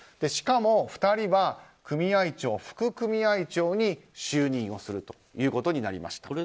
しかも２人は組合長、副組合長に就任をするということになりました。